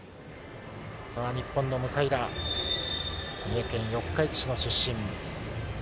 日本の向田、三重県四日市市出身。